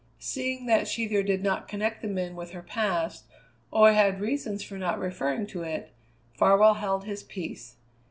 Seeing that she either did not connect the men with her past, or had reasons for not referring to it, Farwell held his peace.